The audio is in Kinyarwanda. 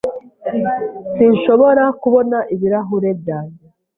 Sinshobora kubona ibirahure byanjye.